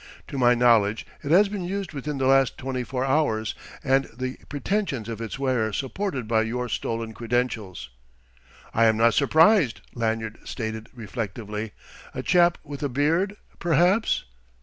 To my knowledge it has been used within the last twenty four hours, and the pretensions of its wearer supported by your stolen credentials." "I am not surprised," Lanyard stated reflectively. "A chap with a beard, perhaps?"